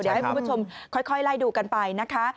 เดี๋ยวให้คุณผู้ชมค่อยไล่ดูกันไปนะคะ